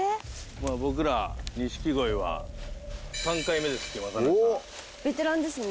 まあ僕ら錦鯉は３回目です今日はベテランですね